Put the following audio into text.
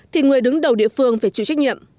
thì người đứng đầu địa phương phải chịu trách nhiệm